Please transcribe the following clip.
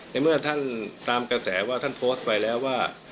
ในเมื่อท่านตามกระแสว่าท่านโพสต์ไปแล้วว่า